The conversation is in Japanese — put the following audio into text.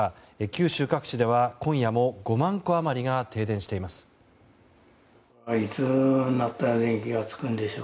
九州各地では今夜も５万戸余りが停電しています。